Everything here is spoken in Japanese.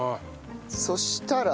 そしたら？